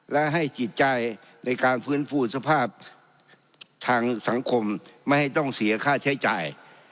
และให้จิตใจในการฟื้นฟูสภาพทางสังคมไม่ให้ต้องเสียค่าใช้จ่าย